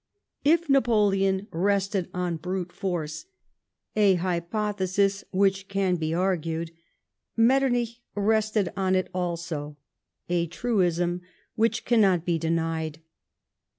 If Napoleon rested on brute force — a hy])othcsis which can be argued — Mettcrnich rested on it also, a truism which CONCLUSION. 197 cannot be denied.